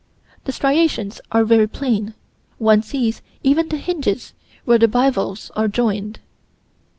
The striations are very plain: one sees even the hinges where bivalves are joined.